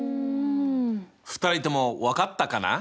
２人とも分かったかな？